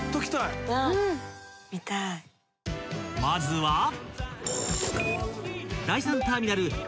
［まずは］